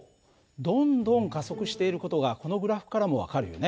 どんどん加速している事がこのグラフからも分かるよね。